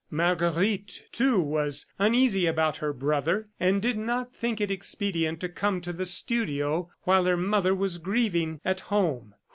Marguerite, too, was uneasy about her brother and did not think it expedient to come to the studio while her mother was grieving at home.